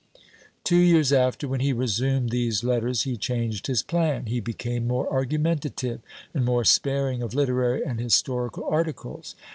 Two years after, when he resumed these letters, he changed his plan; he became more argumentative, and more sparing of literary and historical articles.